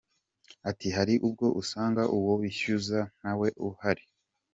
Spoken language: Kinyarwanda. Ati “Hari ubwo usanga uwo bishyuza ntawe uhari.